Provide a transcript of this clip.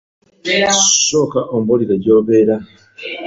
Sooka ombulire gy'obeera.